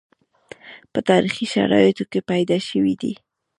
په تاریخي شرایطو کې راپیدا شوي دي